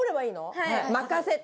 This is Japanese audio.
任せて！